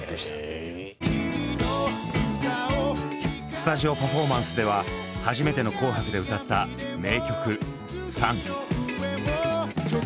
スタジオパフォーマンスでは初めての「紅白」で歌った名曲「ＳＵＮ」。